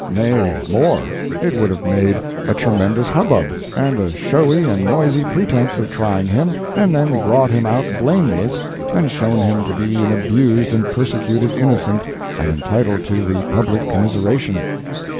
Nay, more—it would have made a tremendous hubbub, and a showy and noisy pretense of trying him—and then brought him out blameless and shown him to be an abused and persecuted innocent and entitled to the public commiseration.